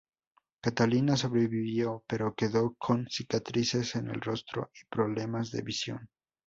Catalina sobrevivió, pero quedó con cicatrices en el rostro y problemas de visión.